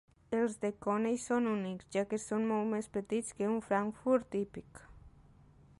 Els de Coney són únics, ja que són molt més petits que un frankfurt típic.